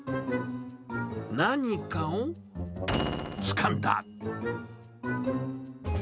何かをつかんだ。